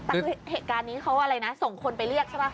แต่คือเหตุการณ์นี้เขาอะไรนะส่งคนไปเรียกใช่ป่ะ